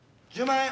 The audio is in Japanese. １０万円！